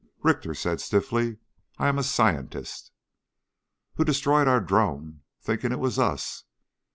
Richter said stiffly: "I am a scientist." "Who destroyed our drone thinking it was us."